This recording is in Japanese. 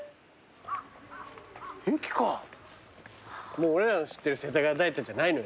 もう俺らの知ってる世田谷代田じゃないのよ。